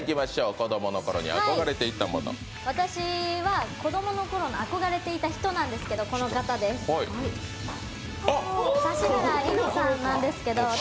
私は子供のころの憧れていた人なんですけど、指原莉乃さんです。